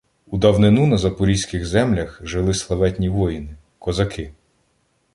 У давнину на Запорізьких землях жили славетні воїни – козаки.